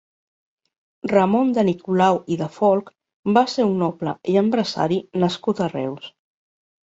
Ramon de Nicolau i de Folch va ser un noble i empresari nascut a Reus.